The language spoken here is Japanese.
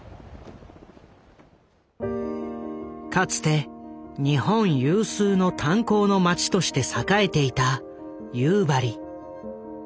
かつて日本有数の炭鉱の町として栄えていた夕張。